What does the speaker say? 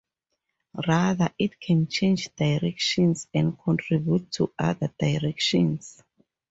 Rather, it can change directions and contribute to other directions.